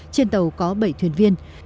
trên tàu có bảy thuyền viên